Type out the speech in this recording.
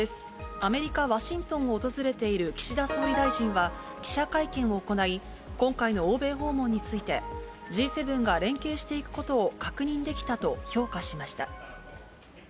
アメリカ・ワシントンを訪れている岸田総理大臣は記者会見を行い、今回の欧米訪問について、Ｇ７が連携していくことを確認できたと評価しました。